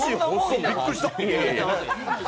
びっくりした。